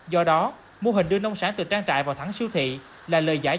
do đó mô hình đưa nông sản từ trang trại vào thẳng siêu thị là lời giải